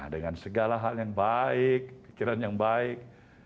dengan segala hal yang baik pikiran yang baik